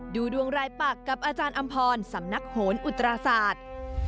ดูดวงรายปักกับอาจารย์อำพรสำนักโหนอุตราศาสตร์